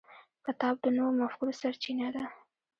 کتاب د نوو مفکورو سرچینه ده.